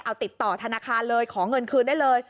เอาติดต่อธนาคารเลยขอเงินคืนได้เลย